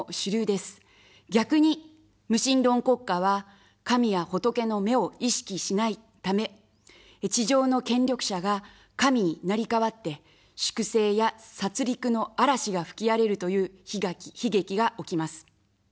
逆に、無神論国家は神や仏の目を意識しないため、地上の権力者が神に成り代わって、粛清や殺りくの嵐が吹き荒れるという悲劇が起きます。